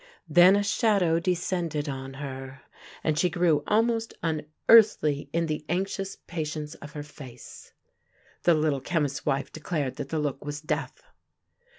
Then a shadow descended on her, and she grew almost unearthly in the anxious patience of her face. The Little Chemist's wife declared that the look was death.